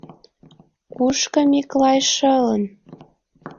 Кушко Миклай шылын?